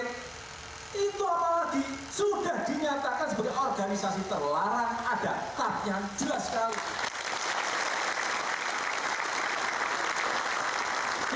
tak yang jelas sekali